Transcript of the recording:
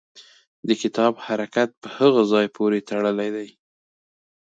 د کتاب حرکت په هغه ځای پورې تړلی دی.